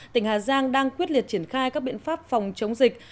tỉnh hà giang đang quyết liệt triển khai các biện pháp phòng chống dịch